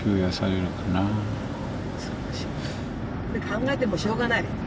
考えてもしょうがない。